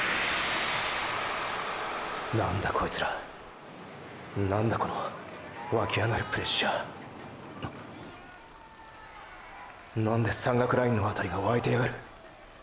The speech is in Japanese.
なんだコイツらなんだこの湧き上がるプレッシャーなんで山岳ラインのあたりが沸いてやがる。